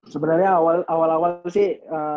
sebenernya awal awal sih